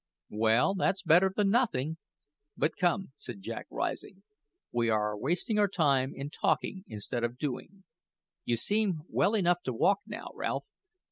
"Well, that's better than nothing. But come," said Jack, rising; "we are wasting our time in talking instead of doing. You seem well enough to walk now, Ralph.